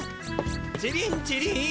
チリンチリン。